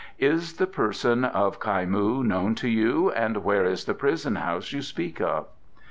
Is the person of Kai moo known to you, and where is the prison house you speak of?"